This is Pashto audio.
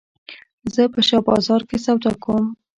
زه په شاه بازار کښي سودا کوم.